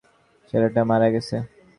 ছেলেটা মারা গেছে।